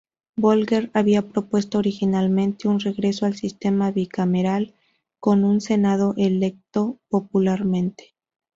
Bolger había propuesto originalmente un regreso al sistema bicameral, con un senado electo popularmente.